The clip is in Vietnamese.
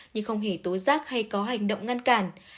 nhưng không hề tố giác hay có hành động ngăn cản